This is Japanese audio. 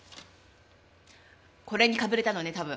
これにかぶれたのね多分。